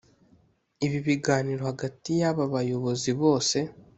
Ibi biganiro hagati y’aba bayobozi bose